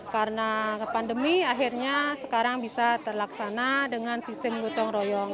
karena pandemi akhirnya sekarang bisa terlaksana dengan sistem gutong royong